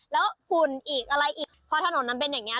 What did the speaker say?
แล้วฝุ่นอีกอะไรอีกพอถนนมันเป็นอย่างนี้